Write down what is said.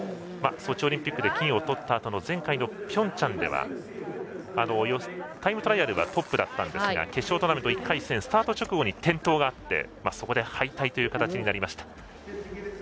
ソチオリンピックで金をとったあとの前回のピョンチャンではタイムトライアルはトップだったんですが決勝トーナメント１回戦スタート直後に転倒があってそこで敗退という形になりました。